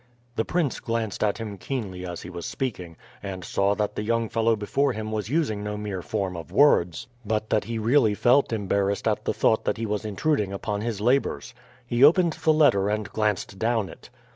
The prince glanced at him keenly as he was speaking, and saw that the young fellow before him was using no mere form of words, but that he really felt embarrassed at the thought that he was intruding upon his labours. He opened the letter and glanced down it.